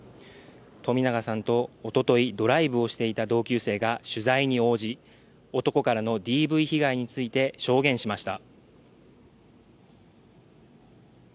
冨永さんとおととい、ドライブをしていた同級生が取材に応じ男からのＤＶ被害について証言しました。